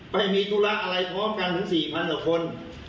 ไปมีธุระอะไรพร้อมกันถึง๔๐๐กว่าคน